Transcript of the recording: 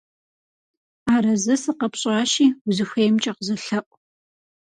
Арэзы сыкъэпщӀащи, узыхуеймкӀэ къызэлъэӀу.